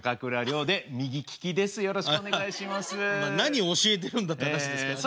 何教えてるんだって話ですからね。